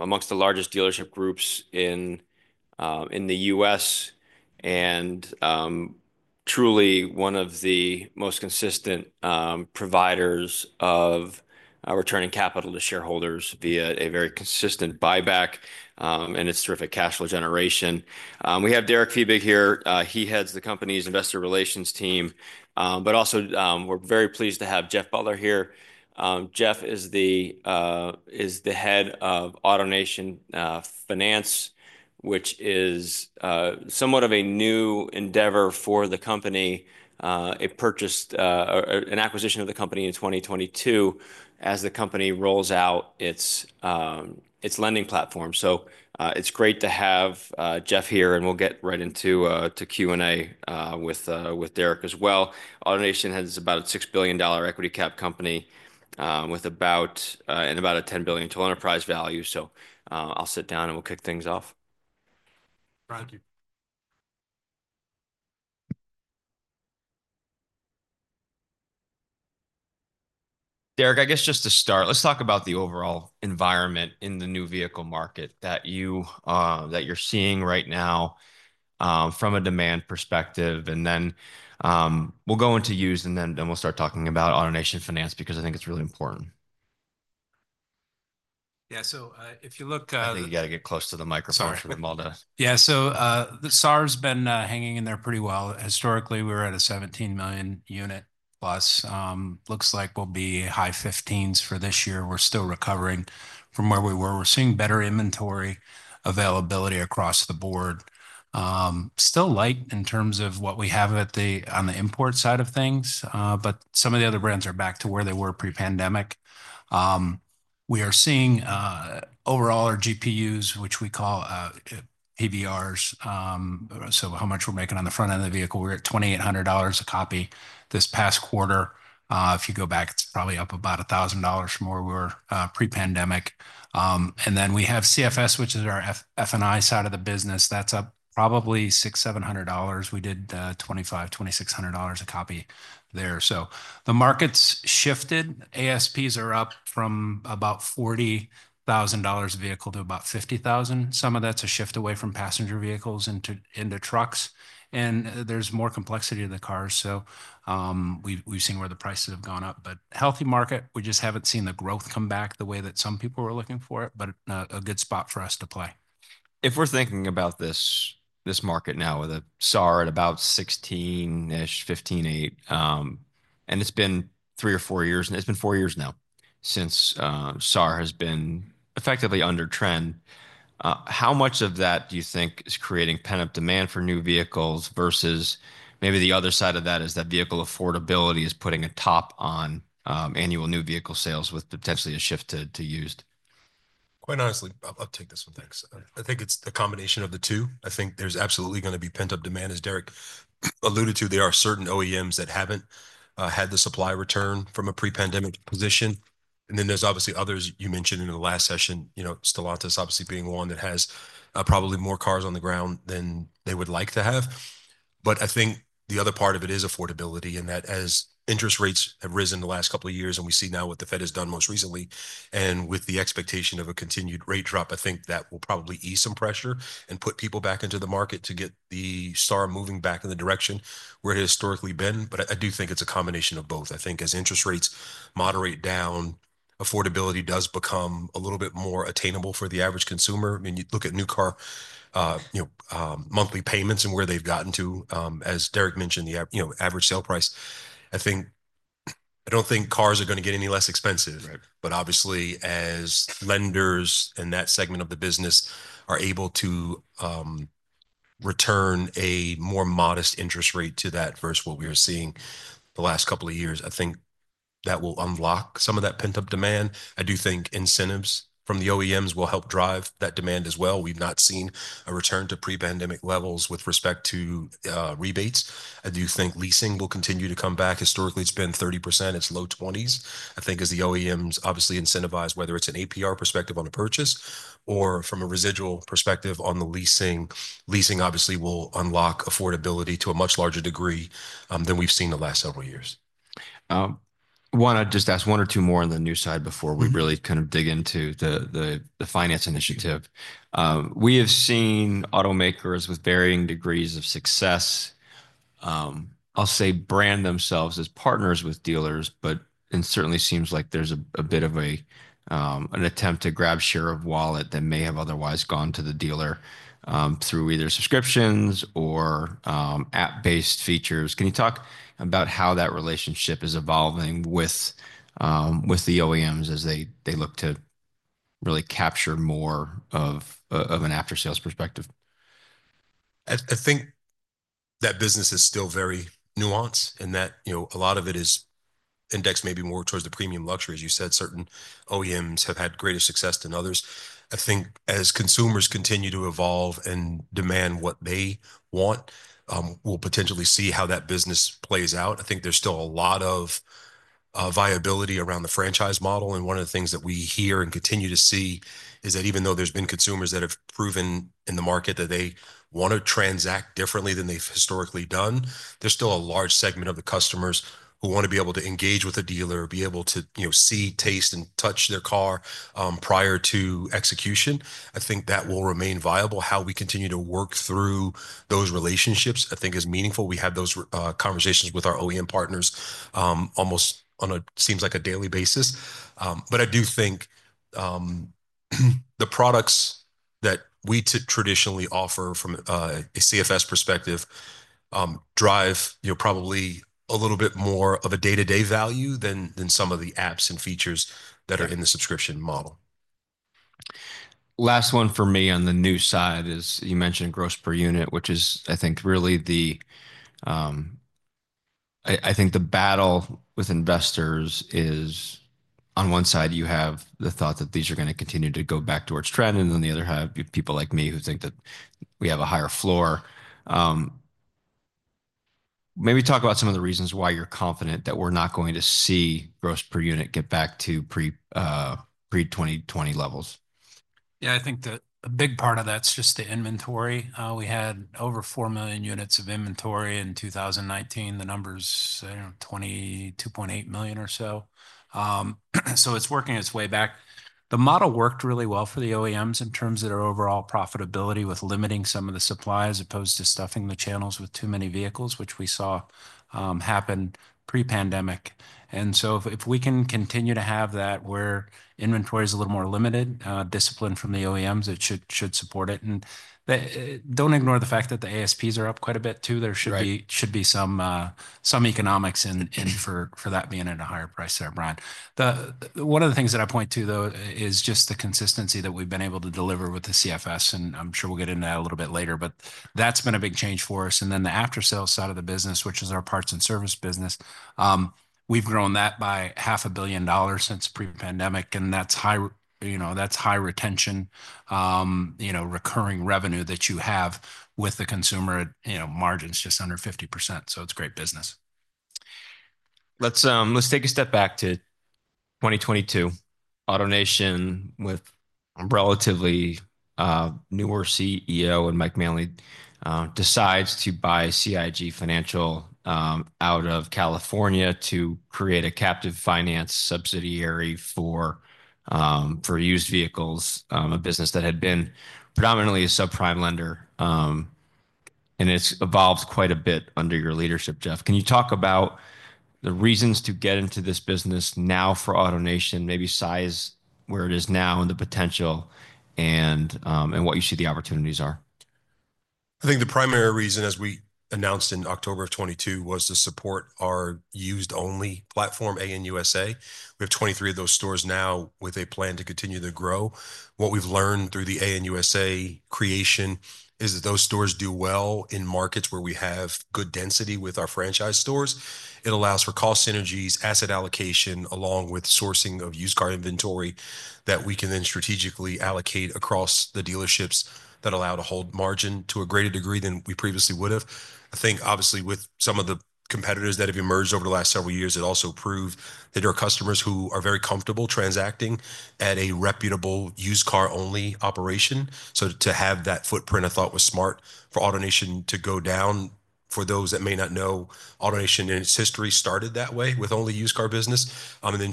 Among the largest dealership groups in the U.S., and truly one of the most consistent providers of returning capital to shareholders via a very consistent buyback and its terrific cash flow generation. We have Derek Fiebig here. He heads the company's Investor Relations team, but also we're very pleased to have Jeff Butler here. Jeff is the head of AutoNation Finance, which is somewhat of a new endeavor for the company, an acquisition of the company in 2022 as the company rolls out its lending platform. So it's great to have Jeff here, and we'll get right into Q&A with Derek as well. AutoNation is about a $6 billion equity cap company and about a $10 billion total enterprise value, so I'll sit down and we'll kick things off. Thank you. Derek, I guess just to start, let's talk about the overall environment in the new vehicle market that you're seeing right now from a demand perspective, and then we'll go into used, and then we'll start talking about AutoNation Finance because I think it's really important. Yeah. So if you look-- I think you got to get close to the microphone for them all to. Yeah. So the SAAR's been hanging in there pretty well. Historically, we were at a 17 million unit plus. Looks like we'll be high 15s for this year. We're still recovering from where we were. We're seeing better inventory availability across the board. Still light in terms of what we have on the import side of things, but some of the other brands are back to where they were pre-pandemic. We are seeing overall our GPUs, which we call PVRs, so how much we're making on the front end of the vehicle. We're at $2,800 a copy this past quarter. If you go back, it's probably up about $1,000 more pre-pandemic. And then we have CFS, which is our F&I side of the business. That's up probably $600-$700. We did $2,500-$2,600 a copy there. So the market's shifted. ASPs are up from about $40,000 a vehicle to about $50,000. Some of that's a shift away from passenger vehicles into trucks, and there's more complexity to the cars. So we've seen where the prices have gone up, but healthy market. We just haven't seen the growth come back the way that some people were looking for it, but a good spot for us to play. If we're thinking about this market now with a SAAR at about 16%-ish, 15.8%, and it's been three or four years, and it's been four years now since SAAR has been effectively under trend, how much of that do you think is creating pent-up demand for new vehicles versus maybe the other side of that is that vehicle affordability is putting a top on annual new vehicle sales with potentially a shift to used? Quite honestly, I'll take this one. Thanks. I think it's the combination of the two. I think there's absolutely going to be pent-up demand, as Derek alluded to. There are certain OEMs that haven't had the supply return from a pre-pandemic position. And then there's obviously others you mentioned in the last session, Stellantis obviously being one that has probably more cars on the ground than they would like to have. But I think the other part of it is affordability in that as interest rates have risen the last couple of years and we see now what the Fed has done most recently and with the expectation of a continued rate drop, I think that will probably ease some pressure and put people back into the market to get the SAAR moving back in the direction we're historically been. But I do think it's a combination of both. I think as interest rates moderate down, affordability does become a little bit more attainable for the average consumer. I mean, you look at new car monthly payments and where they've gotten to. As Derek mentioned, the average sale price, I don't think cars are going to get any less expensive. But obviously, as lenders in that segment of the business are able to return a more modest interest rate to that versus what we were seeing the last couple of years, I think that will unlock some of that pent-up demand. I do think incentives from the OEMs will help drive that demand as well. We've not seen a return to pre-pandemic levels with respect to rebates. I do think leasing will continue to come back. Historically, it's been 30%. It's low 20s, I think, as the OEMs obviously incentivize, whether it's an APR perspective on a purchase or from a residual perspective on the leasing. Leasing obviously will unlock affordability to a much larger degree than we've seen the last several years. I want to just ask one or two more on the new side before we really kind of dig into the finance initiative. We have seen automakers with varying degrees of success, I'll say, brand themselves as partners with dealers, but it certainly seems like there's a bit of an attempt to grab share of wallet that may have otherwise gone to the dealer through either subscriptions or app-based features. Can you talk about how that relationship is evolving with the OEMs as they look to really capture more of an after-sales perspective? I think that business is still very nuanced in that a lot of it is indexed maybe more towards the premium luxury. As you said, certain OEMs have had greater success than others. I think as consumers continue to evolve and demand what they want, we'll potentially see how that business plays out. I think there's still a lot of viability around the franchise model. And one of the things that we hear and continue to see is that even though there's been consumers that have proven in the market that they want to transact differently than they've historically done, there's still a large segment of the customers who want to be able to engage with a dealer, be able to see, taste, and touch their car prior to execution. I think that will remain viable. How we continue to work through those relationships, I think, is meaningful. We have those conversations with our OEM partners almost on what seems like a daily basis. But I do think the products that we traditionally offer from a CFS perspective drive probably a little bit more of a day-to-day value than some of the apps and features that are in the subscription model. Last one for me on the new side is you mentioned gross per unit, which is, I think, really the battle with investors is on one side, you have the thought that these are going to continue to go back towards trend, and on the other hand, you have people like me who think that we have a higher floor. Maybe talk about some of the reasons why you're confident that we're not going to see gross per unit get back to pre-2020 levels. Yeah, I think that a big part of that's just the inventory. We had over 4 million units of inventory in 2019. The number's 2.8 million or so. It's working its way back. The model worked really well for the OEMs in terms of their overall profitability with limiting some of the supply as opposed to stuffing the channels with too many vehicles, which we saw happen pre-pandemic. If we can continue to have that where inventory is a little more limited, discipline from the OEMs, it should support it. Don't ignore the fact that the ASPs are up quite a bit too. There should be some economics in for that being at a higher price there, Brian. One of the things that I point to, though, is just the consistency that we've been able to deliver with the CFS. I'm sure we'll get into that a little bit later, but that's been a big change for us. And then the after-sales side of the business, which is our parts and service business, we've grown that by $500 million since pre-pandemic. And that's high retention, recurring revenue that you have with the consumer margins just under 50%. So it's great business. Let's take a step back to 2022. AutoNation, with relatively newer CEO and Mike Manley, decides to buy CIG Financial out of California to create a captive finance subsidiary for used vehicles, a business that had been predominantly a subprime lender, and it's evolved quite a bit under your leadership, Jeff. Can you talk about the reasons to get into this business now for AutoNation, maybe size where it is now and the potential and what you see the opportunities are? I think the primary reason, as we announced in October of 2022, was to support our used-only platform, AN USA. We have 23 of those stores now with a plan to continue to grow. What we've learned through the AN USA creation is that those stores do well in markets where we have good density with our franchise stores. It allows for cost synergies, asset allocation, along with sourcing of used car inventory that we can then strategically allocate across the dealerships that allow to hold margin to a greater degree than we previously would have. I think, obviously, with some of the competitors that have emerged over the last several years, it also proved that there are customers who are very comfortable transacting at a reputable used car-only operation. So to have that footprint, I thought, was smart for AutoNation to go down. For those that may not know, AutoNation in its history started that way with only used car business and then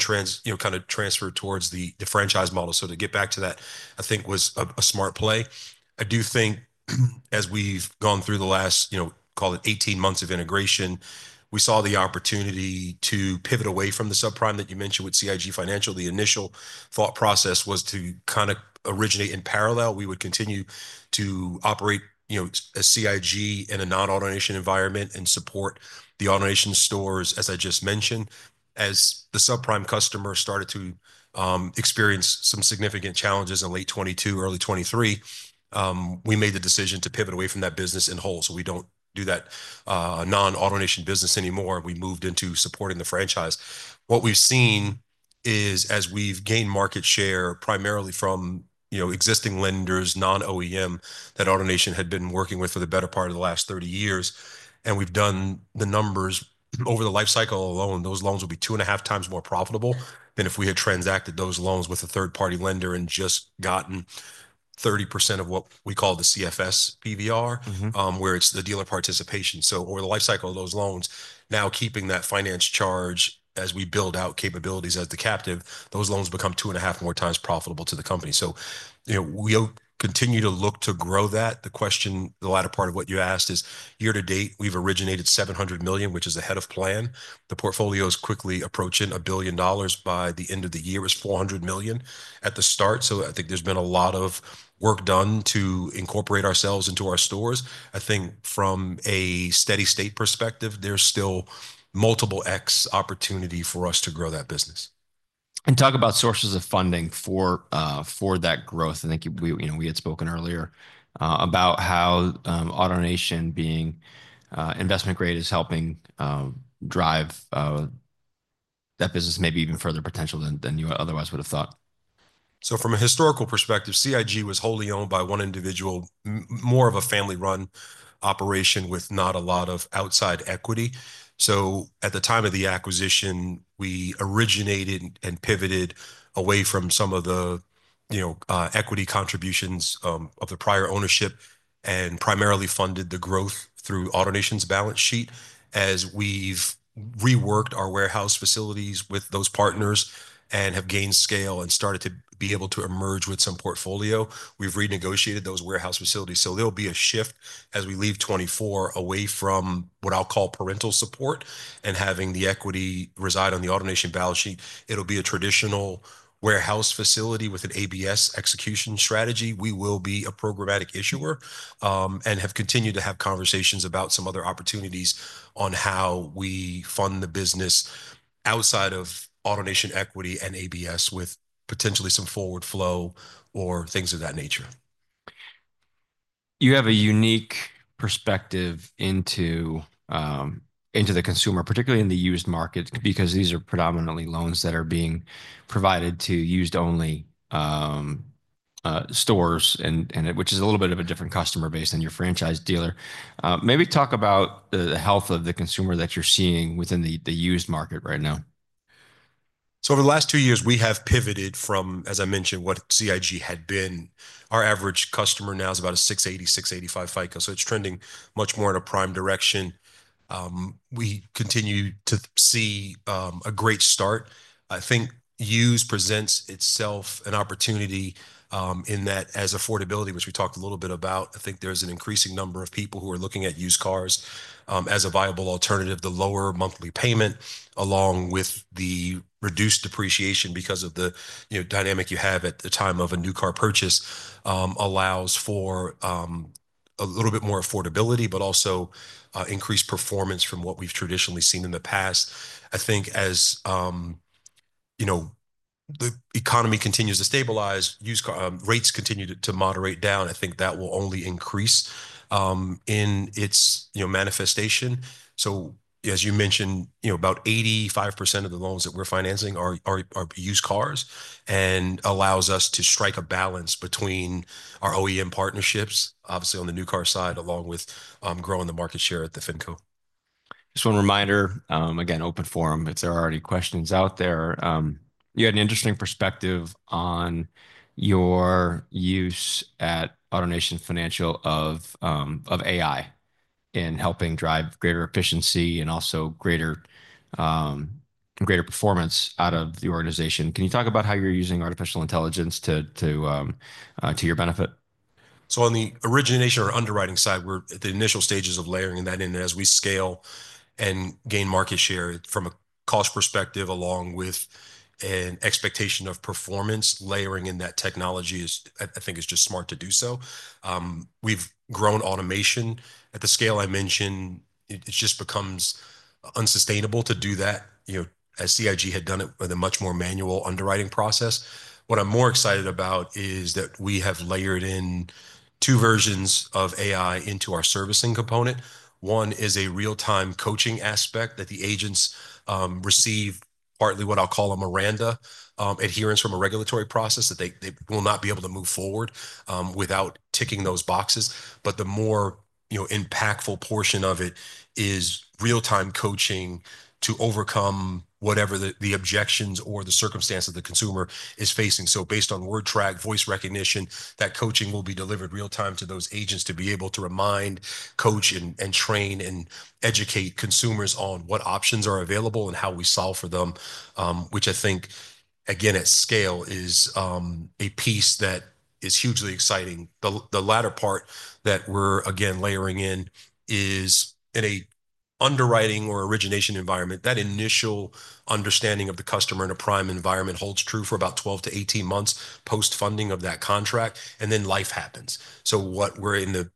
kind of transferred towards the franchise model. So to get back to that, I think, was a smart play. I do think as we've gone through the last, call it, 18 months of integration, we saw the opportunity to pivot away from the subprime that you mentioned with CIG Financial. The initial thought process was to kind of originate in parallel. We would continue to operate as CIG in a non-AutoNation environment and support the AutoNation stores, as I just mentioned. As the subprime customer started to experience some significant challenges in late 2022, early 2023, we made the decision to pivot away from that business in whole. So we don't do that non-AutoNation business anymore. We moved into supporting the franchise. What we've seen is, as we've gained market share primarily from existing lenders, non-OEM, that AutoNation had been working with for the better part of the last 30 years, and we've done the numbers over the life cycle alone, those loans will be 2.5x more profitable than if we had transacted those loans with a third-party lender and just gotten 30% of what we call the CFS PVR, where it's the dealer participation. So over the life cycle of those loans, now keeping that finance charge as we build out capabilities as the captive, those loans become two and a half more times profitable to the company. So we continue to look to grow that. The latter part of what you asked is, year to date, we've originated $700 million, which is ahead of plan. The portfolio is quickly approaching $1 billion. By the end of the year, it was $400 million at the start. So I think there's been a lot of work done to incorporate ourselves into our stores. I think from a steady-state perspective, there's still multiple X opportunity for us to grow that business. And talk about sources of funding for that growth. I think we had spoken earlier about how AutoNation being investment-grade is helping drive that business maybe even further potential than you otherwise would have thought. So from a historical perspective, CIG was wholly owned by one individual, more of a family-run operation with not a lot of outside equity. So at the time of the acquisition, we originated and pivoted away from some of the equity contributions of the prior ownership and primarily funded the growth through AutoNation's balance sheet. As we've reworked our warehouse facilities with those partners and have gained scale and started to be able to emerge with some portfolio, we've renegotiated those warehouse facilities. So there'll be a shift as we leave 2024 away from what I'll call parental support and having the equity reside on the AutoNation balance sheet. It'll be a traditional warehouse facility with an ABS execution strategy. We will be a programmatic issuer and have continued to have conversations about some other opportunities on how we fund the business outside of AutoNation equity and ABS with potentially some forward flow or things of that nature. You have a unique perspective into the consumer, particularly in the used market, because these are predominantly loans that are being provided to used-only stores, which is a little bit of a different customer base than your franchise dealer. Maybe talk about the health of the consumer that you're seeing within the used market right now. So over the last two years, we have pivoted from, as I mentioned, what CIG had been. Our average customer now is about a 680, 685 FICO. So it's trending much more in a prime direction. We continue to see a great start. I think used presents itself an opportunity in that as affordability, which we talked a little bit about. I think there's an increasing number of people who are looking at used cars as a viable alternative. The lower monthly payment, along with the reduced depreciation because of the dynamic you have at the time of a new car purchase, allows for a little bit more affordability, but also increased performance from what we've traditionally seen in the past. I think as the economy continues to stabilize, used rates continue to moderate down, I think that will only increase in its manifestation. As you mentioned, about 85% of the loans that we're financing are used cars and allows us to strike a balance between our OEM partnerships, obviously on the new car side, along with growing the market share at the FinCo. Just one reminder, again, open forum if there are any questions out there. You had an interesting perspective on your use at AutoNation Finance of AI in helping drive greater efficiency and also greater performance out of the organization. Can you talk about how you're using artificial intelligence to your benefit? On the origination or underwriting side, we're at the initial stages of layering that in. And as we scale and gain market share from a cost perspective, along with an expectation of performance, layering in that technology is, I think, just smart to do so. We've grown automation. At the scale I mentioned, it just becomes unsustainable to do that as CIG had done it with a much more manual underwriting process. What I'm more excited about is that we have layered in two versions of AI into our servicing component. One is a real-time coaching aspect that the agents receive, partly what I'll call a Miranda adherence from a regulatory process that they will not be able to move forward without ticking those boxes. But the more impactful portion of it is real-time coaching to overcome whatever the objections or the circumstances the consumer is facing. So based on word track, voice recognition, that coaching will be delivered real-time to those agents to be able to remind, coach, and train, and educate consumers on what options are available and how we solve for them, which I think, again, at scale is a piece that is hugely exciting. The latter part that we're, again, layering in is in an underwriting or origination environment, that initial understanding of the customer in a prime environment holds true for about 12-18 months post-funding of that contract, and then life happens. So what we're in the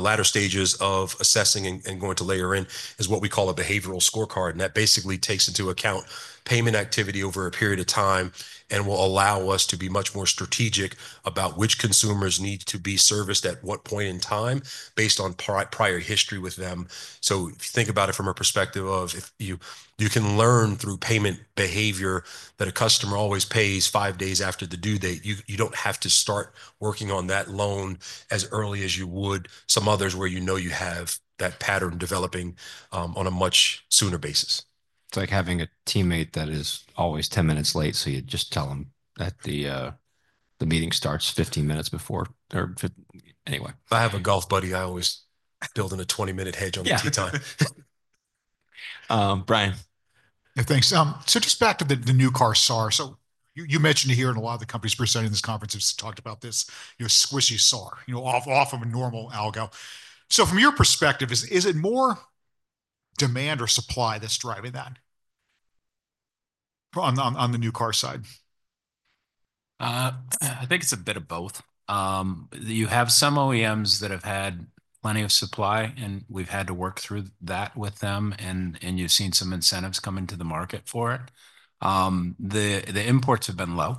latter stages of assessing and going to layer in is what we call a Behavioral Scorecard. And that basically takes into account payment activity over a period of time and will allow us to be much more strategic about which consumers need to be serviced at what point in time based on prior history with them. So if you think about it from a perspective of you can learn through payment behavior that a customer always pays five days after the due date. You don't have to start working on that loan as early as you would some others where you know you have that pattern developing on a much sooner basis. It's like having a teammate that is always 10 minutes late. So you just tell them that the meeting starts 15 minutes before or anyway. I have a golf buddy. I always build in a 20-minute hedge on the tee time. Brian? Yeah, thanks. So just back to the new car SAAR. So you mentioned here in a lot of the companies presenting this conference have talked about this squishy SAAR, off of a normal algo. So from your perspective, is it more demand or supply that's driving that on the new car side? I think it's a bit of both. You have some OEMs that have had plenty of supply, and we've had to work through that with them, and you've seen some incentives coming to the market for it. The imports have been low.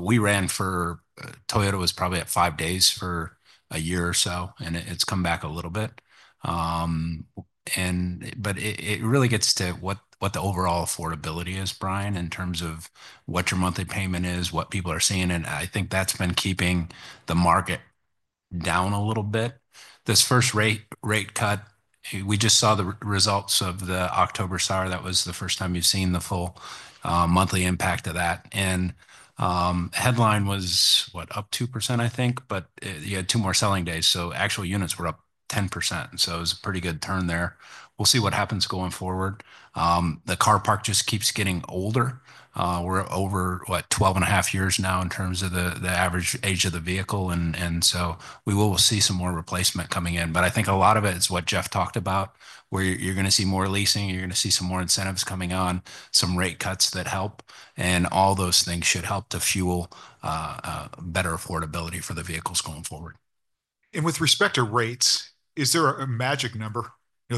We ran for Toyota was probably at five days for a year or so, and it's come back a little bit, but it really gets to what the overall affordability is, Brian, in terms of what your monthly payment is, what people are seeing. And I think that's been keeping the market down a little bit. This first rate cut, we just saw the results of the October SAAR. That was the first time you've seen the full monthly impact of that, and headline was, what, up 2%, I think, but you had two more selling days, so actual units were up 10%. So it was a pretty good turn there. We'll see what happens going forward. The car park just keeps getting older. We're over, what, 12 and a half years now in terms of the average age of the vehicle. And so we will see some more replacement coming in. But I think a lot of it is what Jeff talked about, where you're going to see more leasing. You're going to see some more incentives coming on, some rate cuts that help. And all those things should help to fuel better affordability for the vehicles going forward. With respect to rates, is there a magic number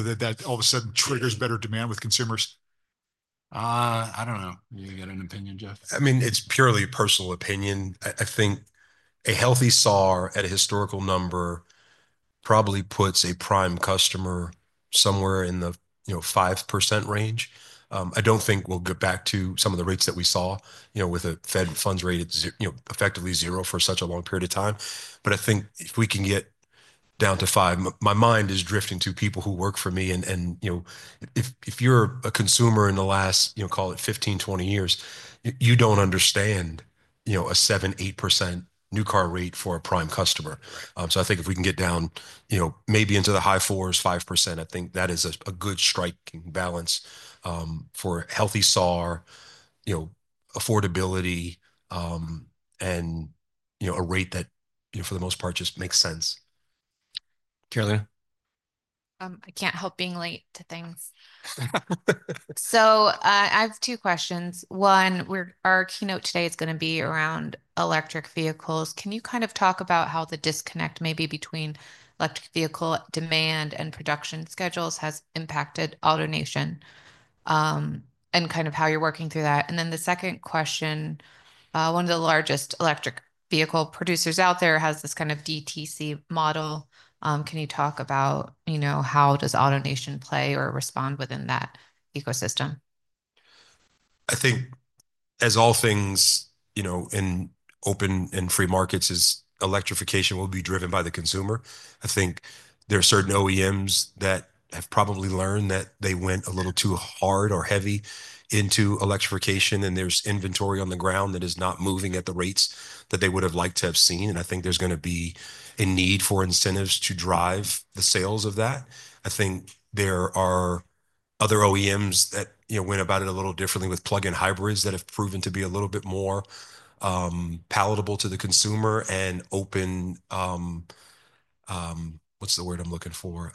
that all of a sudden triggers better demand with consumers? I don't know. You got an opinion, Jeff? I mean, it's purely a personal opinion. I think a healthy SAAR at a historical number probably puts a prime customer somewhere in the 5% range. I don't think we'll get back to some of the rates that we saw with a Fed funds rate at effectively zero for such a long period of time. But I think if we can get down to 5%, my mind is drifting to people who work for me. And if you're a consumer in the last, call it, 15-20 years, you don't understand a 7%-8% new car rate for a prime customer. I think if we can get down maybe into the high fours, 5%, I think that is a good striking balance for a healthy SAAR, affordability, and a rate that, for the most part, just makes sense. Carolyn? I can't help being late to things, so I have two questions. One, our keynote today is going to be around electric vehicles. Can you kind of talk about how the disconnect maybe between electric vehicle demand and production schedules has impacted AutoNation and kind of how you're working through that? And then the second question, one of the largest electric vehicle producers out there has this kind of DTC model. Can you talk about how does AutoNation play or respond within that ecosystem? I think, as all things in open and free markets, electrification will be driven by the consumer. I think there are certain OEMs that have probably learned that they went a little too hard or heavy into electrification, and there's inventory on the ground that is not moving at the rates that they would have liked to have seen, and I think there's going to be a need for incentives to drive the sales of that. I think there are other OEMs that went about it a little differently with plug-in hybrids that have proven to be a little bit more palatable to the consumer and open, what's the word I'm looking for,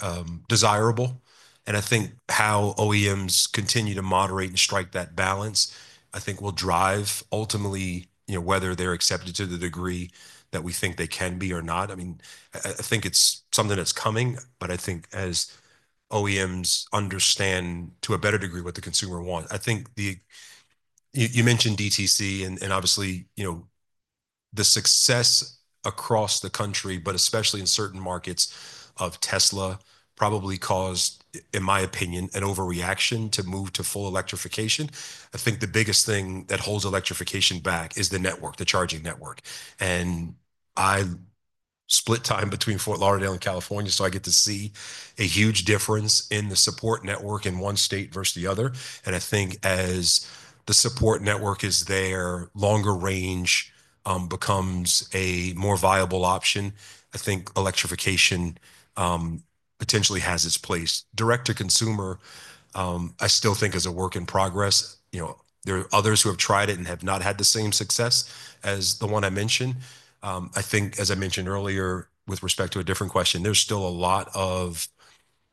desirable, and I think how OEMs continue to moderate and strike that balance, I think, will drive ultimately whether they're accepted to the degree that we think they can be or not. I mean, I think it's something that's coming. But I think as OEMs understand to a better degree what the consumer wants, I think you mentioned DTC, and obviously the success across the country, but especially in certain markets of Tesla, probably caused, in my opinion, an overreaction to move to full electrification. I think the biggest thing that holds electrification back is the network, the charging network. And I split time between Fort Lauderdale and California, so I get to see a huge difference in the support network in one state versus the other. And I think as the support network is there, longer range becomes a more viable option. I think electrification potentially has its place. Direct-to-consumer, I still think is a work in progress. There are others who have tried it and have not had the same success as the one I mentioned. I think, as I mentioned earlier, with respect to a different question, there's still a lot of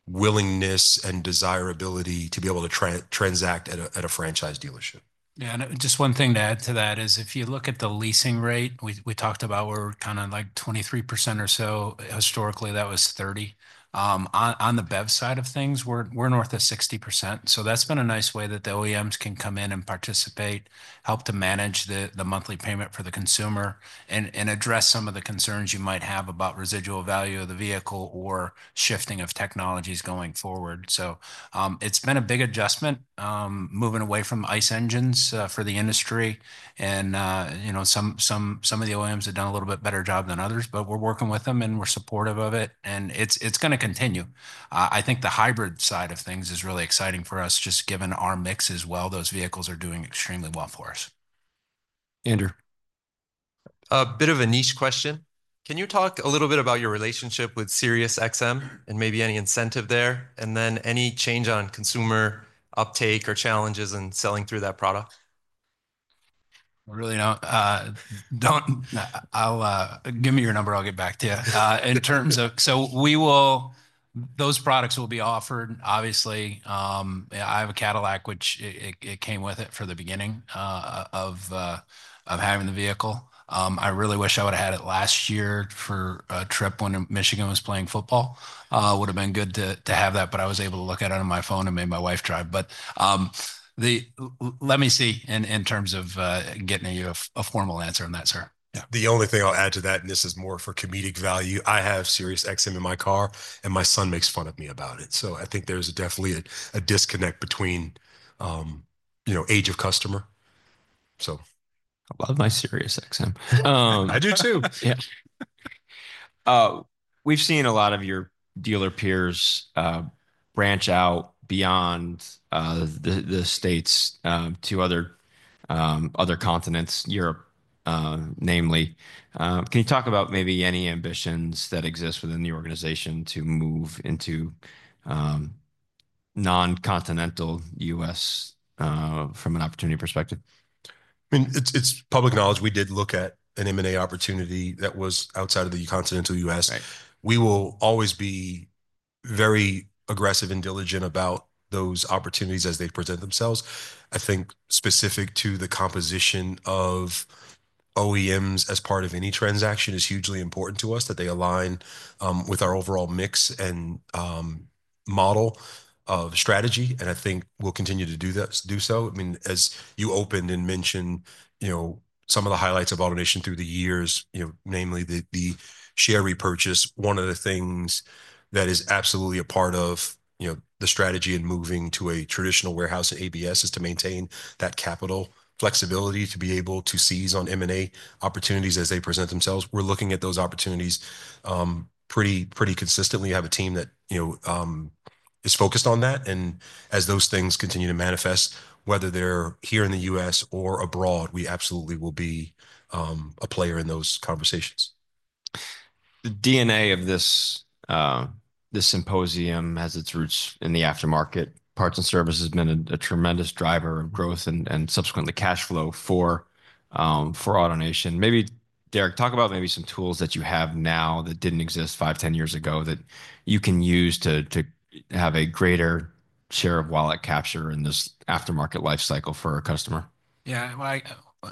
willingness and desirability to be able to transact at a franchise dealership. Yeah. And just one thing to add to that is if you look at the leasing rate, we talked about we're kind of like 23% or so. Historically, that was 30%. On the BEV side of things, we're north of 60%. So that's been a nice way that the OEMs can come in and participate, help to manage the monthly payment for the consumer, and address some of the concerns you might have about residual value of the vehicle or shifting of technologies going forward. So it's been a big adjustment moving away from ICE engines for the industry. And some of the OEMs have done a little bit better job than others, but we're working with them and we're supportive of it. And it's going to continue. I think the hybrid side of things is really exciting for us, just given our mix as well. Those vehicles are doing extremely well for us. Andrew? A bit of a niche question. Can you talk a little bit about your relationship with SiriusXM and maybe any incentive there? And then any change on consumer uptake or challenges in selling through that product? Really don't. Give me your number. I'll get back to you. In terms of those products will be offered, obviously. I have a Cadillac, which it came with it for the beginning of having the vehicle. I really wish I would have had it last year for a trip when Michigan was playing football. It would have been good to have that, but I was able to look at it on my phone and made my wife drive. But let me see in terms of getting you a formal answer on that, sir. The only thing I'll add to that, and this is more for comedic value, I have SiriusXM in my car, and my son makes fun of me about it. So I think there's definitely a disconnect between age of customer, so. I love my SiriusXM. I do too. Yeah. We've seen a lot of your dealer peers branch out beyond the States to other continents, Europe, namely. Can you talk about maybe any ambitions that exist within the organization to move into non-continental U.S. from an opportunity perspective? I mean, it's public knowledge. We did look at an M&A opportunity that was outside of the continental U.S. We will always be very aggressive and diligent about those opportunities as they present themselves. I think specific to the composition of OEMs as part of any transaction is hugely important to us that they align with our overall mix and model of strategy, and I think we'll continue to do so. I mean, as you opened and mentioned some of the highlights of AutoNation through the years, namely the share repurchase, one of the things that is absolutely a part of the strategy in moving to a traditional warehouse and ABS is to maintain that capital flexibility to be able to seize on M&A opportunities as they present themselves. We're looking at those opportunities pretty consistently. I have a team that is focused on that. As those things continue to manifest, whether they're here in the U.S. or abroad, we absolutely will be a player in those conversations. The DNA of this symposium has its roots in the aftermarket. Parts and service has been a tremendous driver of growth and subsequently cash flow for AutoNation. Maybe, Derek, talk about maybe some tools that you have now that didn't exist 5, 10 years ago that you can use to have a greater share of wallet capture in this aftermarket lifecycle for a customer. Yeah.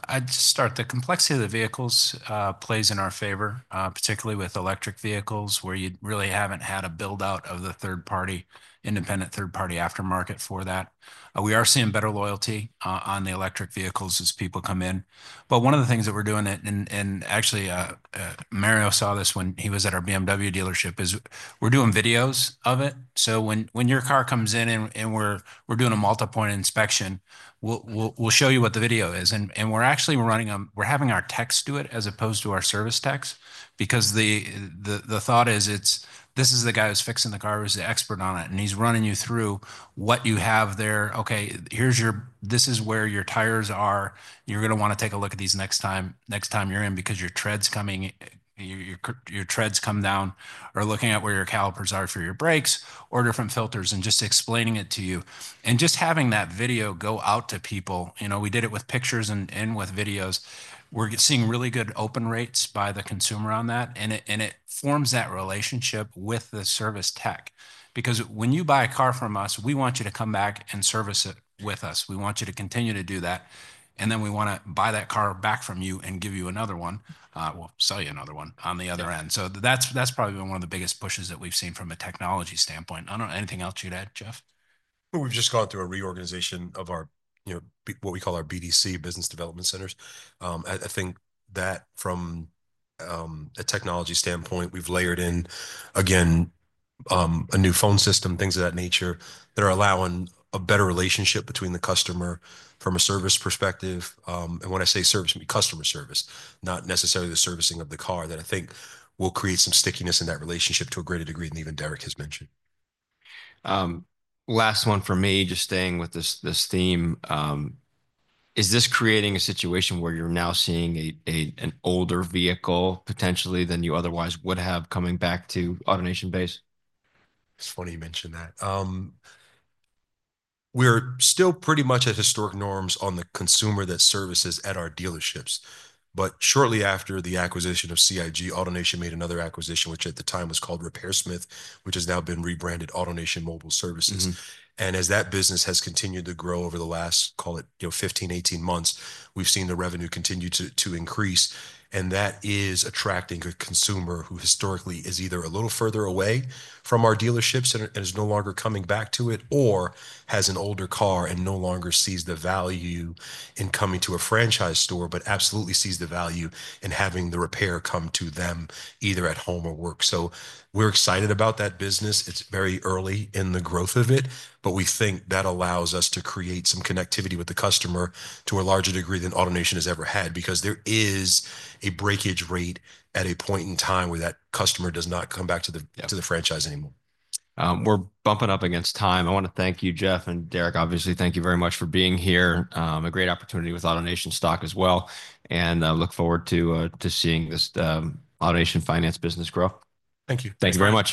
I'd start the complexity of the vehicles plays in our favor, particularly with electric vehicles where you really haven't had a build-out of the independent third-party aftermarket for that. We are seeing better loyalty on the electric vehicles as people come in. But one of the things that we're doing, and actually, Mario saw this when he was at our BMW dealership, is we're doing videos of it. So when your car comes in and we're doing a multi-point inspection, we'll show you what the video is. And we're actually running them. We're having our techs do it as opposed to our service techs because the thought is this is the guy who's fixing the car, who's the expert on it, and he's running you through what you have there. Okay, this is where your tires are. You're going to want to take a look at these next time you're in because your treads come down or looking at where your calipers are for your brakes or different filters and just explaining it to you. And just having that video go out to people, we did it with pictures and with videos. We're seeing really good open rates by the consumer on that. And it forms that relationship with the service tech because when you buy a car from us, we want you to come back and service it with us. We want you to continue to do that. And then we want to buy that car back from you and give you another one. We'll sell you another one on the other end. So that's probably been one of the biggest pushes that we've seen from a technology standpoint. I don't know. Anything else you'd add, Jeff? We've just gone through a reorganization of what we call our BDC, Business Development Centers. I think that from a technology standpoint, we've layered in, again, a new phone system, things of that nature that are allowing a better relationship between the customer from a service perspective, and when I say service, I mean customer service, not necessarily the servicing of the car that I think will create some stickiness in that relationship to a greater degree than even Derek has mentioned. Last one for me, just staying with this theme. Is this creating a situation where you're now seeing an older vehicle potentially than you otherwise would have coming back to AutoNation base? It's funny you mentioned that. We're still pretty much at historic norms on the consumer that services at our dealerships. But shortly after the acquisition of CIG, AutoNation made another acquisition, which at the time was called RepairSmith, which has now been rebranded AutoNation Mobile Services. And as that business has continued to grow over the last, call it, 15-18 months, we've seen the revenue continue to increase. And that is attracting a consumer who historically is either a little further away from our dealerships and is no longer coming back to it or has an older car and no longer sees the value in coming to a franchise store, but absolutely sees the value in having the repair come to them either at home or work. So we're excited about that business. It's very early in the growth of it, but we think that allows us to create some connectivity with the customer to a larger degree than AutoNation has ever had because there is a breakage rate at a point in time where that customer does not come back to the franchise anymore. We're bumping up against time. I want to thank you, Jeff and Derek. Obviously, thank you very much for being here. A great opportunity with AutoNation stock as well, and look forward to seeing this AutoNation Finance business grow. Thank you. Thank you very much.